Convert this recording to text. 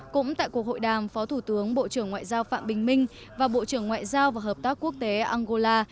cũng tại cuộc hội đàm phó thủ tướng bộ trưởng ngoại giao phạm bình minh và bộ trưởng ngoại giao và hợp tác quốc tế angola